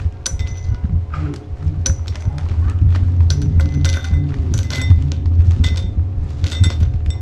Hay bastante variedad, pero suelen ser un tamaño relativamente pequeño.